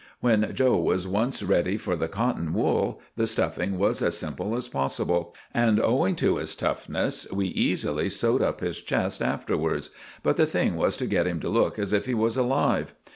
When 'Joe' was once ready for the cotton wool, the stuffing was as simple as possible; and owing to his toughness we easily sewed up his chest afterwards; but the thing was to get him to look as if he was alive.